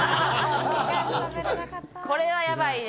これはやばいね。